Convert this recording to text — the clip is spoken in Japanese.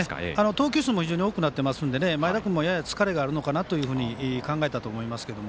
投球数も多くなっていますので前田君もやや疲れがあるのかなと考えたと思いますけど。